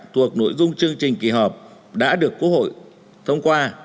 thuộc nội dung chương trình kỳ họp đã được quốc hội thông qua